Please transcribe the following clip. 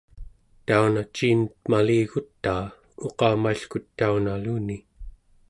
tauna ciin maligutaa uqamailkutaunaluni?